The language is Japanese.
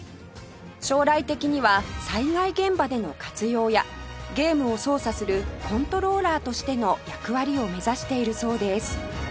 将来的には災害現場での活用やゲームを操作するコントローラーとしての役割を目指しているそうです